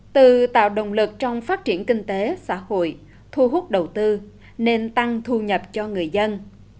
từ tạo động lực trong phát triển kinh tế xã hội thu hút đầu tư nên tăng thu nhập cho người dân